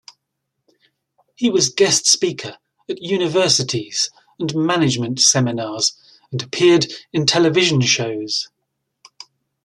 He was guest speaker at universities and management seminars and appeared in television shows.